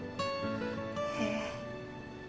へえ。